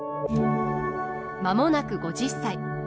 間もなく５０歳。